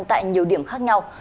tại nhiều điểm khác nhau